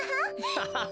ハハハ。